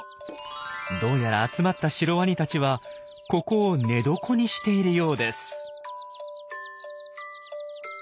どうやら集まったシロワニたちはここを寝床にしているようです。